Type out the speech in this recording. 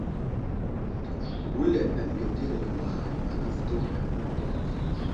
Wulem aməŋgeterege ma I malafto a mərɗi.